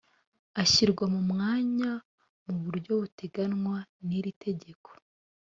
ashyirwa mu mwanya mu buryo buteganywa n’iri tegeko